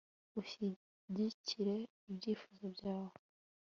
ushyigikire ibyifuzo byawe